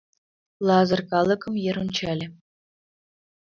Лазыр калыкым йыр ончале.